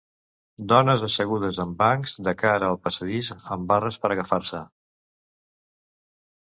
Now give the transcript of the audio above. Dones assegudes en bancs de cara al passadís amb barres per agafar-se.